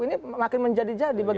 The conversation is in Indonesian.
ini makin menjadi jadi